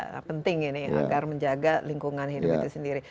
nah penting ini agar menjaga lingkungan hidup itu sendiri